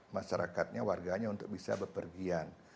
masyarakatnya warganya untuk bisa berpergian